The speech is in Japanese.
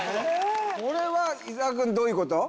これは伊沢君どういうこと？